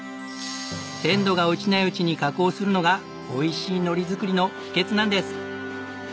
鮮度が落ちないうちに加工するのがおいしい海苔作りの秘訣なんです。